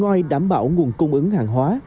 ngoài đảm bảo nguồn cung ứng hàng hóa